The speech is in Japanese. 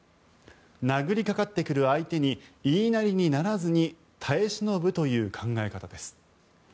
殴りかかってくる相手に言いなりにならずに耐え忍ぶという考え方です。